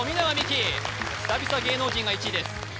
久々芸能人が１位です